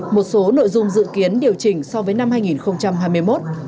một số nội dung dự kiến điều chỉnh so với năm hai nghìn hai mươi một